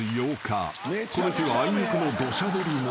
［この日はあいにくの土砂降り模様］